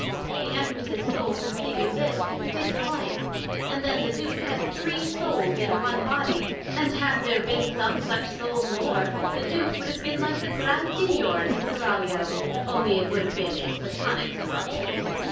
The Empress's Soul perceiving this, did the like: And then the Duke had three Souls in one Body; and had there been some such Souls more, the Duke would have been like the Grand Signior in his Seraglio, onely it would have been a Platonick Seraglio.